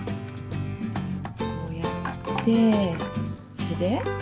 こうやってそれで？